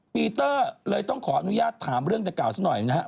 ปีเตอร์เลยต้องขออนุญาตถามเรื่องดังกล่าสักหน่อยนะครับ